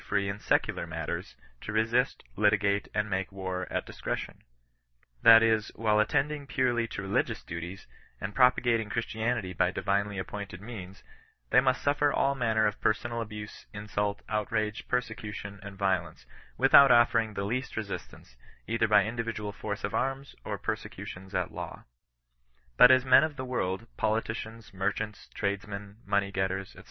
free in ieeular matters, to resist, litigate^ and make war at dkscretioiL That is, while attending purely to reli gious duties, and propagating Christianity by divinely appointed means, they must simer all manner of personal aouse, insult, outrage, persecution, and violence, without offering the least resistance, either by individual force of arms or prosecutions at law. But as men of the world^ politicians, merchants, tradesmen, money getters, &c.